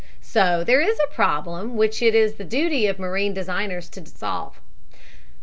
So there is a problem which it is the duty of marine designers to solve.